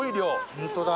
ホントだ。